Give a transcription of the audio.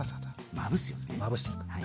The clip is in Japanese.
まぶしていくそう。